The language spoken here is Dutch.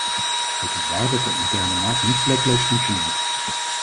Het is waar dat de interne markt niet vlekkeloos functioneert.